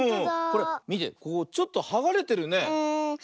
これみてここちょっとはがれてるね。